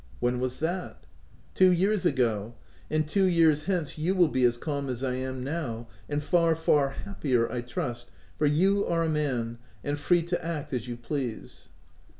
" When was that?" " Two years ago ; and two years hence you will be as calm as I am now,— and far, far hap pier, I trust, for you are a man, and free to act as you please."